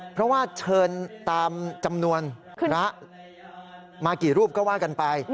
เพราะว่าเชิญตามจำนวนพระมากี่รูปก็ว่ากันไป